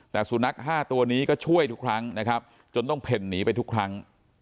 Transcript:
แต่สุนัข๕ตัวนี้ก็ช่วยทุกครั้งนะครับจนต้องเพ่นหนีไปทุกครั้ง